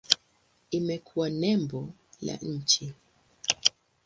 Imekuwa nembo la nchi.